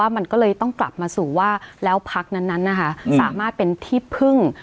มันก็เลยต้องกลับมาสู่ว่าแล้วพักนั้นสามารถเป็นที่พึ่ง